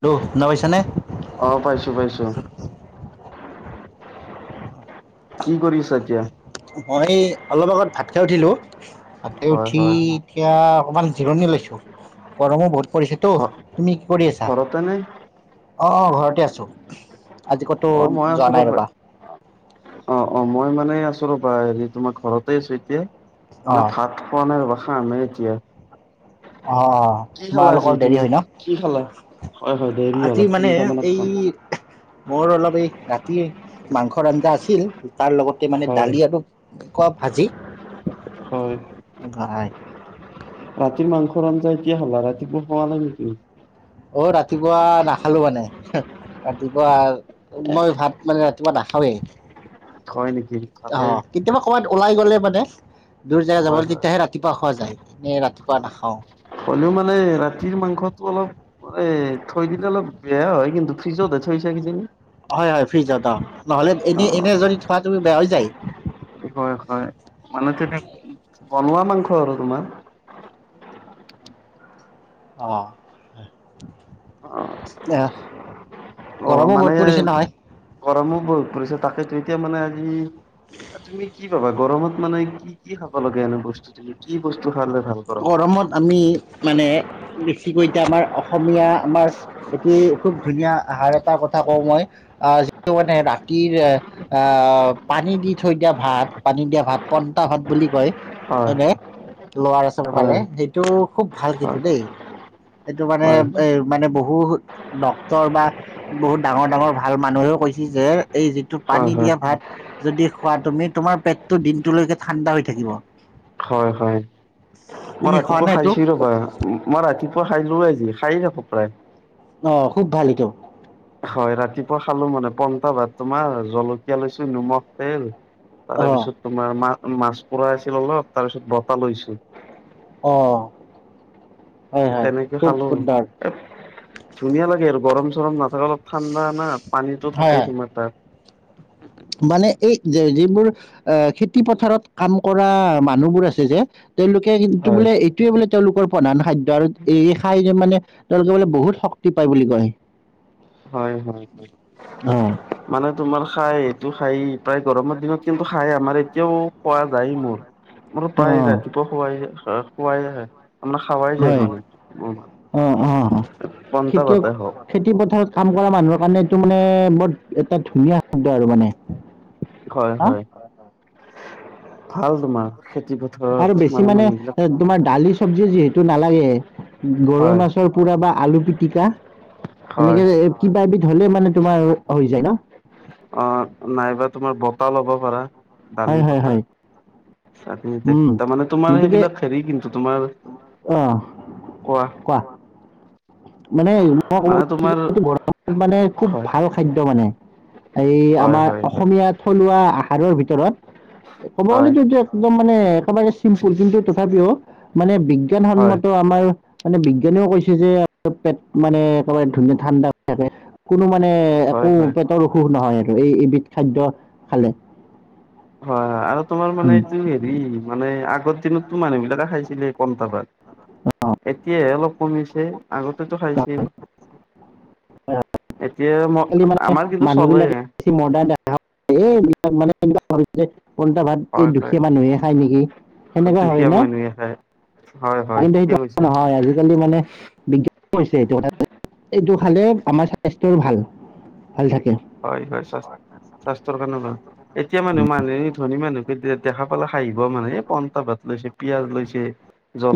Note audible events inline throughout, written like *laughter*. ত' শুনা পাইছা নে? অ পাইছো পাইছো কি কৰি আছা এতিয়া? মই অলপ আগত ভাত খাই উঠিলো, ভাত খাই হয় উঠি হয় এতিয়া অকণমান জিৰণি লৈছোঁ, গৰমো বহুত পৰিছেতো, ঘ তুমি কি কৰি আছা? ঘৰতে নে অ' অ', ঘৰতে আছো। অ', মই আচলতে, অ' অ' মই মান নাই আছো ৰ'বা, হেৰি তোমাৰ ঘৰতে আছো এতিয়া, মানে অ', ভাত খোৱা নাই ৰ'বা। খামহে এতিয়া। অ' অ', কি খালা আজি তোমালোকৰ দেৰি তুমি হয় কি খালা ন? হয় হয় দেৰি হ'ল আজি মানে তিনটা মানত এই, খাম মোৰ অলপ এই ৰাতিৰ মাংসৰ আঞ্জা আছিল, তাৰ লগতে মানে হয় দালি আৰু *unintelligible* ভাজি। হয় এ ভাই ৰাতিৰ মাংসৰ আঞ্জা এতিয়া খাবা? ৰাতিপুৱা খোৱা নাই নেকি? অ', ৰাতিপুৱা নাখালো মানে, ৰাতিপুৱা মই ভাত মানে ৰাতিপুৱা নাখাওঁ ৱে, হয় নেকি ভালেই অ', কেতিয়াবা ক'ৰবাত ওলাই গ'লে মানে দূৰ জেগা যাব হয় তেতিয়াহে ৰাতিপুৱা খোৱা যায়, এনে ৰাতিপুৱা হয় নাখাওঁ। হ'লেও মানে ৰাতিৰ মাংসটো অলপ মানে, থৈ দিলে অলপ বেয়া হয় কিন্ হয় হয়, ফ্ৰিজত অ', নহ'লে অ এনে-এনে যদি থোৱা তুমি, বেয়া হৈ যায়। হয় হয়, মানে তেনেকে বনোৱা মাংস আৰু তোমাৰ। অ'। অ অ', অ গৰমো মানে বহুত পৰিছে নহয়। গৰমো বহুত পৰিছে, তাকেতো এতিয়া মানে আজি, তুমি কি ভাবা গৰমত মানে, কি কি খাব লাগে, এনে বস্তুটো কি বস্তু খালে ভাল গৰম গৰমত আমি মানে বেছ কি কওঁ এতিয়া, আমাৰ অসমীয়া আমাৰ এটি খুব ধুনীয়া আহাৰ এটাৰ কথা কওঁ মই আ টো মানে ৰাতিৰ আ, পানী দি থৈ দিয়া ভাত, পানী দিয়া ভাত, পন্টা ভাত বুলি কয়। হয়। খালে, হয় সেইটো খুব ভাল কিন্তু হয় দেই। এইটো মানে, হয় এই মানে বহুত ডক্তৰ বা বহুত ডাঙৰ ডাঙৰ ভাল মানুহেও কৈছ যে, এই যিটো হয় পানী হয় দিয়া ভাত যদি খোৱা তুমি, তোমাৰ পেটটো দিনটোলৈকে ঠাণ্ডা হৈ থাকিব। হয় হয়, মই তুমি খোৱা ৰাতিপুৱা নে এইটো? খাইছিলোঁ বাৰু, মই ৰাতিপুৱা খাই লো আজি খাই থাক প্ৰায় আহ খুব ভাল এটো হয় ৰাতিপুৱা খালো মানে পংটা ভাত তোমাৰ জলকীয়া লৈছো নিমখ তেল তাৰে অ' পিছত তোমাৰ মা মাছ পৰা আছিল অলপ তাৰপিছত বতাহ লৈছো অঁ তেনেকে খালো আৰু ধুনীয়া লাগে আৰু গৰম চৰম না ত অলপ ঠাণ্ডা না পানীতো হয় থাকেই হয় তোমাৰ তাত মানে এই যে যিবোৰ আহ খেতি পথাৰত কাম কৰা মানুহবোৰ আছে যে তেওঁলোকে কিন্তু হয়। বোলে এইটোয়ে বোলে তেওঁলোকৰ প্ৰধান খাদ্য আৰু এই খাই যে মানে তেওঁলোকে বোলে বহুত শক্তি পায় বুলি কয় হয় হয় হয় অ' মানে তোমাৰ খাই এইটো খাই। প্ৰায় গৰমৰ দিনত কিন্তু খাই আমাৰ এতিয়াও খোৱা যায় মোৰ। মোৰ প্ৰায় অ'। ৰাতিপুৱা শুৱাই শোৱাইে। আপাৰ খাৱাই যায় হয় মানে অ অ পন্টাা খেতিয়ক পতোই হওক। খেতি পথাৰত কাম কৰা মানুহৰ কাৰণে এইটো মানে বৰ এটা ধুনীয়া শব্দ আৰু মানে। হয় হা হয় ভাল তোমাৰ? খেতি পথাৰত আৰু বেছি মানে মানুহ বিলাক তোমাৰ দালি চবজি যিহেতু নালাগে। গৰৈ হয় মাছৰ পোৰা বা আলু পিটিকা। হয় এনেকে কিবা এবিধ হলে মানে তোমাৰ হৈ যায় ন। অ নাইবা তুমাৰ বতাহ লব পাৰা হয় দালি হয় হয় বতাহ। উম তাৰমানে তোমাৰ গতিকে সেইবিলাক হেৰি কিন্তু তোমাৰ। অ কোৱা? মানে মই ক'ব মানে তোমাৰ গছিলো ঘৰ মানে খুব হয় ভাল খাদ্য মানে। এই হয় আমাৰ হয় হয় অসমীয়া থলুৱা আহাৰৰ ভিতৰত। কব গ'লে হয় যে একদম মানে। চিম্পুল কিন্তু তথাপিও মানে হয় বিজ্ঞানসন্মত আমাৰ। মানে বিজ্ঞানীও কৈছে যে পেট মানে একেবাৰে ধুনীয়া ঠাণ্ডা হৈ থাকে। কোনো মানে হয় হয় একো হয় পেটৰ অসুখ নহয় আৰু এই এবিধ খাদ্য খালে। হয় হয় আৰু তোমাৰ মানে উম, এইটো হেৰি মানে আগত। িনতো মানুহ বিলাকে খাইছিলে অ', কমটাবাত। এতিয়াহে অলপ কমিছে আগতেতো অ'। খাইছিল। এতিয়া ম আমাৰ কিন্তু চলে। এই মানে এনে যে পলটা ভাত এই দুখীয়া মানুহে খায় নেকি। স সেনেকুৱা হয় দুখীয়া নে মানুহে খায়। হয় হয় কিন্তু ঠিকে সেইটো কৈছা নহয় আজিকালি মানে বিজ্ঞান হৈছে সেটো কথা যে এইটো খালে আমাৰ স্বাস্থ্যৰ ভাল। ভাল থাকে হয় হয় স্বাস্থ স্বাস্থ্যৰ কাৰণে ভাল এতিয়া মানুহ মানুহে ধনী মানুহ কে ডেত দেখা পালে হাঁহিব মানে এ পন্টা ভাত লৈছে পিয়াজ লৈছে।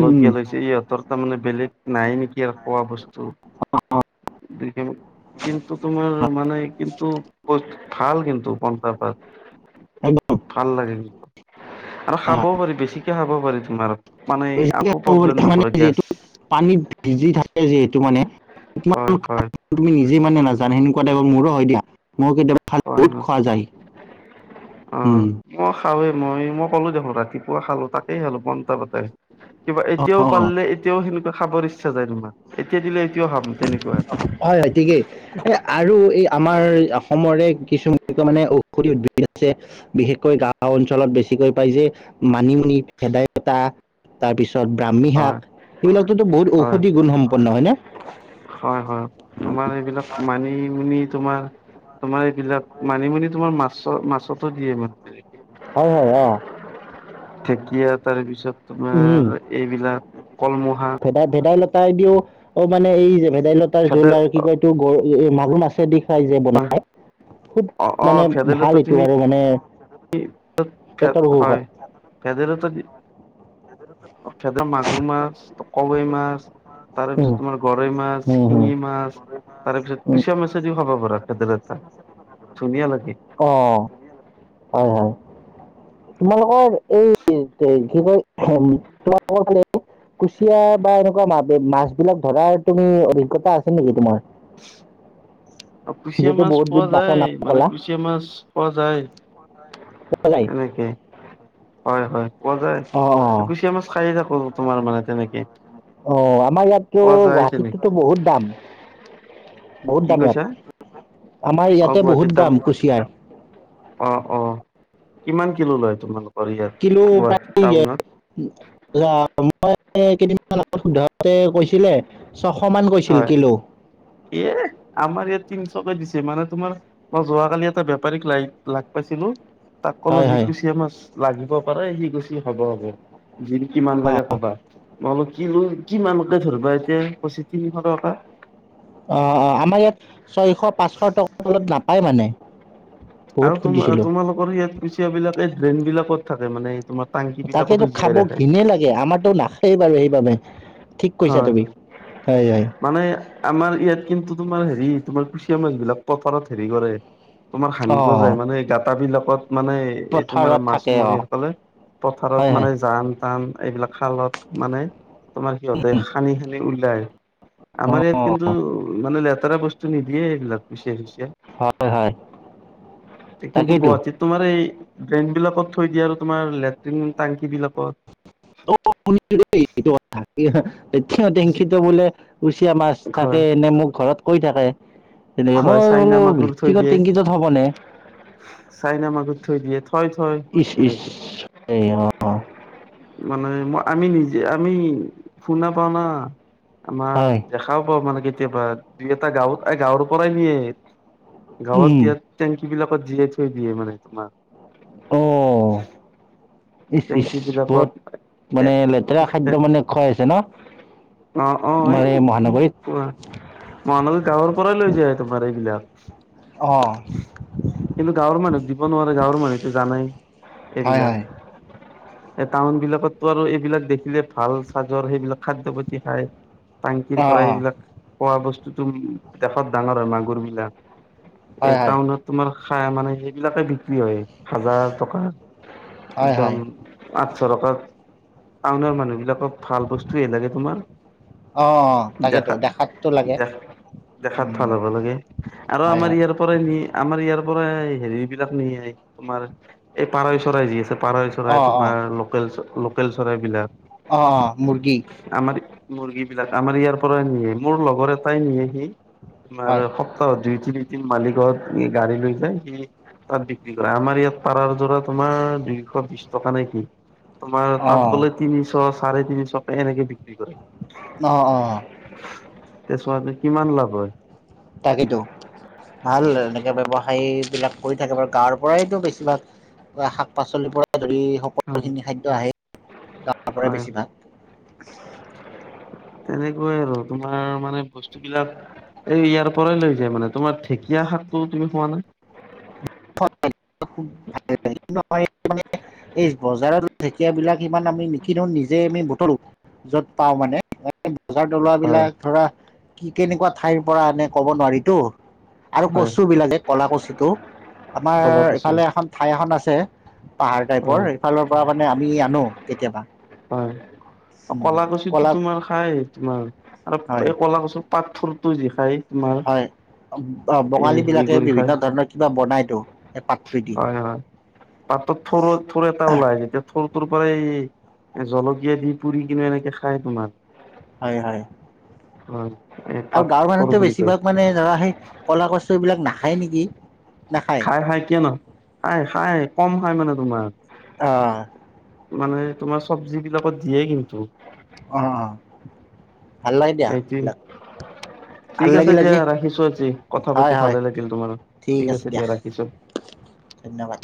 উম, উম, লৈছে ইহঁতৰ তাৰমানে বেলেগ নাই নেকি আৰ খোৱা বস্তু। অ', দে কিন কিন্তু তোমাৰ মানে টো *unintelligible* ভাল কিন্তু পঞ্চা পাত একদম হয়, ভাল লাগে কিন্তু আৰু হয়। খাবও পাৰি বেছিকে খাব পাৰি তোমাৰ। মানে বেছিকে একো খাব প্ৰব্লেম পাৰি মানে নকৰে গেছ যিহেতু পানীত ভিজি থাকে যিহেতু মানে হয় হয়। যি মানে নাজানে সেনেকুৱা টাইপৰ মোৰো হয় দিয়া। মোক কেতিয়াবা ভাত হয় বহুত হয় খোৱা যায়। অ হম। মই খাওঁৱেই মই মোৰ কলো দেখোন ৰাতিপুৱা খালো, তাকেই খালো পন্টা ভাতে। কিবা অ এতিয়াওঁ অ পাল্লে এতিয়াওঁ সেনেকুৱা খাবৰ ইচ্ছা যায় তোমাৰ। এতিয়া দিলে এতিয়াওঁ খাম। তেনেকুৱা হয়, হয় ঠিকেই আৰু এই আমাৰ অসমৰে কিছু এনেকুৱা মানে ঔষধি উদ্ভিদ আছে, বিশেষকৈ গাওঁ অঞ্চলত বেছিকৈ পাই যে মানিমুনি ভেদাইলতা তাৰপিছত ব্ৰাহ্মী শাক হয় সেইবিলাকতো বহুত হয় ঔষধি গুণ সম্পন্ন হয় ন। হয়, হয় আমাৰ এইবিলাক মানিমনি। তোমাৰ তোমাৰ এইবিলাক মানিমুনি তোমাৰ মাছ মাছতো দিয়ে মানে তেনেকে। হয়, হয়, অ'। ঢেকীয়া তাৰ পিছত উম। তোমাৰ এইবিলাক কলমহা শাক। ভেদা মানে এই ভেদাইলতাৰ ভেদে জোল আৰু কি কয় এইটো মাগুৰ মাছ এ দিও। চাই যে বনাই খুব অ অ মানে ভেদাইলতা ভাল এইটো তুমি আৰু মানে। পেটৰ অসুখত। হয়, ভেদালতা। মাগুৰ মাছ, কাৱৈ মাছ। তাৰে পিছত উম তোমাৰ গৰৈ মাছ উম হম। শিঙি মাছ। তাৰপিছত উম কুচিয়া মাছে দিওঁ খাবা পাৰা ধুনীয়া লাগে। অ হয়, হয়। তোমালোকৰ এই কি কয় তোমালোকৰ ফালে। কুচিয়া বা এনেকুৱা মাছ বিলাক ধৰাৰ অভিজ্ঞতা আছে নেকি তোমাৰ। *inaudible* কুচিয়া যিহেতু মাছ বহুত পোৱা বিধ মাছৰ যায় নাম মানে ক'লা কুচিয়া মাছ পোৱা যায়। এনেকে *unintelligible* হয়, হয় পোৱা যায় অঁ কুচিয়া মাছ খায়ে থাকো তোমাৰ মানে তেনেকে। অ' আমাৰ ইয়াতকেও পোৱা যায় তেনেকে গুৱাহাটীততো বহুত দাম। বহুত কি দাম ইয়াত কৈছা আমাৰ অ ইয়াতে গুৱাহাটীত বহুত দাম কুচিয়াৰ। অ' অ' কিমান কিলো লয় তোমালোকৰ ফালে। কিলো বাদ দি *unintelligible* কেইদিনমান আগত সোধাতে কৈছিলে। ছশমান কৈছিল হয় কিলো। এ আমাৰ ইয়াত তিনশকে দিছে মানে তোমাৰ মই যোৱ কালি এটা বেপাৰীক লগ পাইছিলো। তাক কলো হয় যে হয় কুছিয় মাছ লাগিব পাৰে সি গৈছে ক'ব ৰব। য কিমান অঁ লাগে কবা মই অলপ কি লো কিমানকে ধৰিবা এতিয়া। তিনিশ টকা। অ আমাৰ ইয়াত ছয়শ পাঁচশ টকাৰ তলত নাপায় মানে। বহুত আৰু সুধিছিলোঁ তোমালোকৰ ইয়াত কুচিয়া বিলাকে ড্ৰেইন বিলাকত থাকে মানে। টাংকি বিলাকতো তাকেতো জীয়াই খাব ৰাখে ঘিণে লাগে আমাৰতো নাখায় বাৰু সেইবাবে। ঠিক কৈছা হয়, তুমি হয়, হয় হয় মানে আমাৰ ইয়াত কিন্তু তোমাৰ হেৰি তোমাৰ কুচিয়া। মাছ বিলাক পথাৰত হেৰি কৰে। তোমাৰ খান্দিব অঁ যায় মানে গাঁত বিলাকত মানে এই তোমাৰ পথাৰত থাকে মাছমৰি অঁ সকলে। পথাৰত হয় হয় মানে জান টান এইবিলাক খালত মানে, তোমাৰ সিহঁতে সানি-সানি উলাই আমাৰ ইয়াত কিন্তু অঁ মানে লেতেৰা বস্তু নিদিয়ে কুচিয়া সুচিয়া, হয় হয় কিন্তু তাকেইতো গুৱাহাটীত তোমাৰ এই ড্ৰেইন বিলাকত থৈ দিয়ে আৰু তোমাৰ লেট্ৰিন টেংকি বিলাকত। *unintelligible* এটো কথা। *unintelligible* যি টেংকিতো বোলে কোচিয় মাছ থাকে হয় নে মোক ঘৰত কৈ থাকে। ৰৱ হয় *unintelligible* চাইনা ৰৱ *unintelligible* মাগুৰ থৈ দিয়ে ভিদেও হ'ব নে। চাইনা মাগুৰ থৈ দিয়ে, থয়-থয় ইচ ইচ এনেকে। এই অ'। মানে আমি নিজে, আমি শুনা পাও না। আমাৰ হয় দেখাও পাওঁ মানে কেতিয়াবা, দুই এটা গাঁৱত, এ গাঁৱৰ পৰাই নিয়ে। গাঁৱত উম ইয়াত, টেংকী বিলাকত জীয়াই থৈ দিয়ে মানে তোমাৰ। অ'। ইচ-ইচ টেংকি বিলাকত বহুত মানে, লেতেৰা খাদ্য মানে খাই আছে ন। অ'-অ', এই আমাৰ কি মহানগৰীত কোৱা, মানুহ গাঁৱৰ পৰাই লৈ যায় তোমাৰ এইবিলাক। অ'। কিন্তু গাঁৱৰ মানুহ দিব নোৱাৰে, গাঁৱৰ মানুহেতো জানেই হয় হয় এইবিলাক। এই টাউন বিলাকতটো আৰু এইবিলাক দেখিলে ভাল চাজৰ সেইবিলাক খাদ্যপাতি খায়। টাংকিৰ অ পৰা অ এইবিলাক খোৱা বস্তুতো দেশত ডাঙৰ হয় মাগুৰ বিলাক। এ হয় হয় টাউনত তোমাৰ খায়ে মানে সেইবিলাকে বিক্ৰী হয় হাজাৰ টকা। হয় একদম হয় আঠশ টকা, টাউনৰ মানুহবিলাকক ভাল বস্তুয়েই লাগে তোমাৰ অ অ তাকেতো দেখাত দেখাততো লাগে দেখ দেখাত ভাল উম হ'বা লাগে আৰু হয় আমাৰ হয় ইয়াৰ পৰাই নি আমাৰ ইয়াৰ পৰাই হেৰি বিলাক নিয়ে, তোমাৰ এই পাৰৈ চৰাই যি আছে পাৰৈ অ চৰাই অ তোমাৰ লোকেল, লোকেল চৰাইবলাক। অ' মুৰ্গী। মুৰ্গী বিলাক আমাৰ ইয়াৰ পৰাই নিয়ে, মোৰ লগৰ এটাই নিয়েহি। তোমাৰ হয় সপ্তাহত দুই তিন তিন মালিকৰ ই গাড়ী লৈ যায়, সি তাত বিক্ৰী কৰে। আমাৰ ইয়াত পাৰাৰ ধৰা তোমাৰ দুইশ বিছ টকা নে কি, তোমাৰ তাত অ গ'লে তিনিশ চাৰে তিনিশকে এনেকে বিক্ৰী কৰে। অ', অ'। তে চোৱা আজি কিমান লাভ হয়। তাকেইতো। ভাল এনেকে ব্যৱসায় বিলাক কৰি থাকিব, তাৰ পৰাইতো বেছিভাগ বা শাক পাচলিৰ পৰা ধৰি হয় সকলোখিনি খাদ্য আহে। দানাৰ পৰাই হয় বেছি হয় ভাল। তেনেকুৱাই আৰু তোমাৰ মানে বস্তু বিলাক এই ইয়াৰ পৰাই লৈ যায় মানে। তোমাৰ ঢেকীয়া শাকটো তুমি খোৱা না? ভালেই নহয় মানে এই বজাৰৰ ঢেঁকীয়া বিলাক ইমান আমি নিকিনো নিজে আমি বুটলো, য'ত পাওঁ মানে। বজাৰত ওলোৱা হয় বিলাক ধৰা কি কেনেকুৱা ঠাইৰ পৰা আনে ক'ব নোৱাৰিটো। আৰু হয় কচু হয় বিলাকে ক'লা কচু টো, কলা আমাৰ কচু ইফালে এখন ঠাই এখন আছে পাহাৰ টাইপৰ হয় সেইফালৰ পৰা মানে আমি আনো কেতিয়াবা। হয়, কলা কচুতো তোমাৰ খায়। তোমাৰ আৰু হয় এই কলা কচুৰ পাত থোৰটো যি খায়। হয় হেৰি বঙালীবিলাকে কৰি খাই বিভিন্ন ধৰণৰ কিবা বনাইতো। এই পাতটো দি হয়, হয়। পাতৰ থুৰ, থুৰ এটা ওলাই যেতিয়া থুৰ তোৰ পৰাই জলকীয়া দি পুৰি কিনে এনেকে খায় তোমাৰ। হয়, হয়। হয়।। আৰু গাঁৱৰ মানুহটোই বেছিভাগ মানে ধৰা সেই কলা কচুবিলাক নাখায় নেকি? নাখায় খাই খাই কিয় নাখাব। খাই-খাই কম খাই মানে তোমাৰ। অহ। মানে তোমাৰ চব্জিবিলাকত দিয়ে কিন্তু। অ অ ভাল লাগে দিয়া সেইটো এইবিলাক। ভাল ঠিক আছে লাগিল দিয়া আজি ৰাখিছোঁ আজি। কথা হয় পাতি হয় ভালে লাগিল তোমাৰ ঠিক আছে দিয়া ৰাখিছোঁ। ধন্যবাদ।